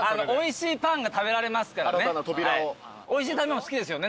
おいしい食べ物好きですよね？